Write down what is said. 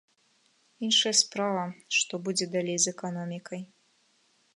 Іншая справа, што будзе далей з эканомікай.